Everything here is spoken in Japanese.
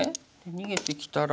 逃げてきたら。